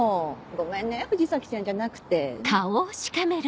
ごめんね藤崎ちゃんじゃなくて。